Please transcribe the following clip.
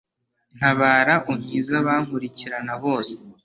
ntabara, unkize abankurikirana bose